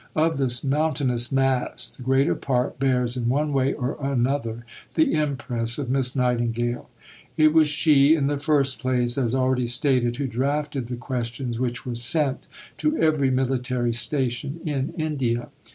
Of this mountainous mass, the greater part bears in one way or another the impress of Miss Nightingale. It was she, in the first place, as already stated, who drafted the questions which were sent to every military station in India.